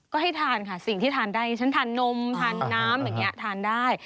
ก็ให้ทานค่ะสิ่งที่ทานได้ฉันทานนมทานน้ำอย่างนี้ทานได้